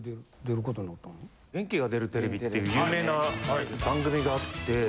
『元気が出るテレビ！！』っていう有名な番組があって。